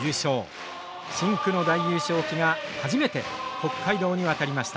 深紅の大優勝旗が初めて北海道に渡りました。